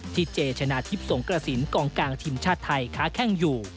เจชนะทิพย์สงกระสินกองกลางทีมชาติไทยค้าแข้งอยู่